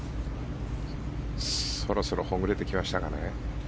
そろそろほぐれてきましたかね。